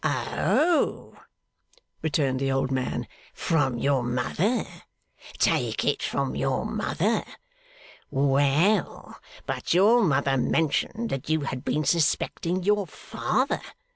'Oh!' returned the old man. 'From your mother? Take it from your mother? Well! But your mother mentioned that you had been suspecting your father.